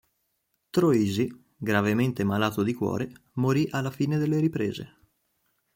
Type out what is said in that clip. Troisi, gravemente malato di cuore, morì alla fine delle riprese.